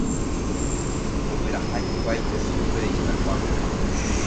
Ogueraha hikuái Hesúpe itakua peve